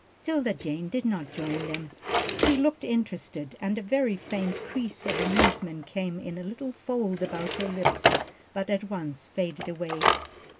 'Tilda Jane did not join them. She looked interested, and a very faint crease of amusement came in a little fold about her lips, but at once faded away.